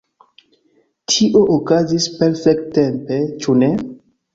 Tio okazis perfekt-tempe, ĉu ne?